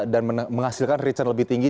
dan menghasilkan return lebih tinggi